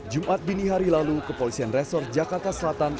jumat dini hari lalu kepolisian resor jakarta selatan